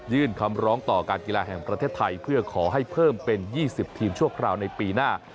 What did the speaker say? คำร้องต่อการกีฬาแห่งประเทศไทยเพื่อขอให้เพิ่มเป็น๒๐ทีมชั่วคราวในปีหน้า